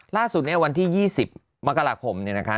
ล่าสุดเนี่ยวันที่๒๐มกราคมเนี่ยนะคะ